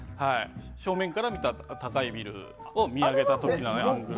正面から見た高いビルを見上げた時になります。